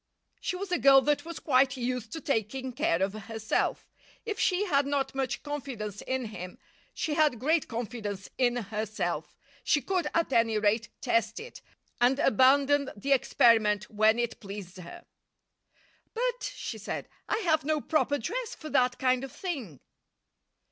She was a girl that was quite used to taking care of herself. If she had not much confidence in him, she had great confidence in herself. She could, at any rate, test it, and abandon the experiment when it pleased her. "But," she said, "I have no proper dress for that kind of thing."